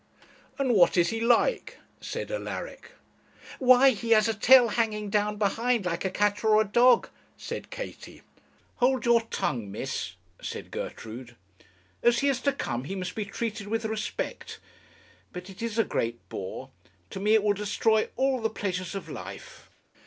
'And what is he like?' said Alaric. 'Why, he has a tail hanging down behind, like a cat or a dog,' said Katie. 'Hold your tongue, miss,' said Gertrude. 'As he is to come he must be treated with respect; but it is a great bore. To me it will destroy all the pleasures of life.'